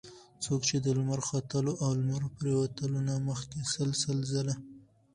څوک چې د لمر ختلو او لمر پرېوتلو نه مخکي سل سل ځله